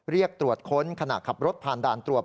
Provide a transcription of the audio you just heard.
เรียกตรวจค้นขณะขับรถผ่านด่านตรวจ